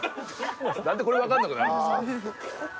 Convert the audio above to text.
何でこれ分かんなくなるんですか。